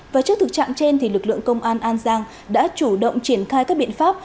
và trước thực trạng trên lực lượng công an an giang đã chủ động triển khai các biện pháp